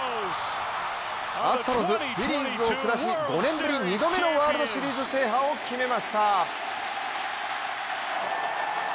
アストロズ、フィリーズを下し５年ぶり２度目のワールドシリーズ制覇を決めました。